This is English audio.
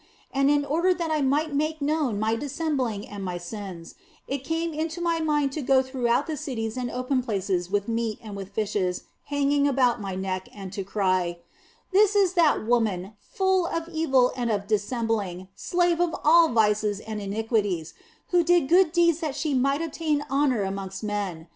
And in order that I might make known my dissembling and my sins, it came into my mind to go throughout the cities and open places with meat and with fishes hanging about my neck, and to cry :" This is that woman, full of evil and of dissembling, slave of all vices and iniquities, who did good deeds that she might obtain OF FOLIGNO 19 honour amongst men